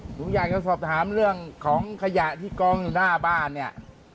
ผมอยากจะสอบถามเรื่องของขยะที่กองอยู่หน้าบ้านเนี่ย